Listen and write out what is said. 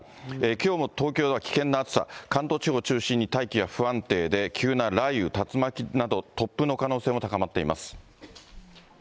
きょうも東京では危険な暑さ、関東地方中心に、大気が不安定で、急な雷雨、竜巻など突風の可能性も高まっています。